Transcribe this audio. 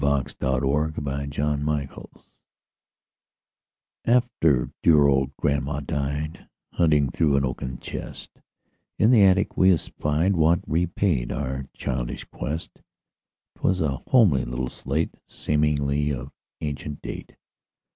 Eugene Field Little Homer's Slate AFTER dear old grandma died, Hunting through an oaken chest In the attic, we espied What repaid our childish quest; 'Twas a homely little slate, Seemingly of ancient date.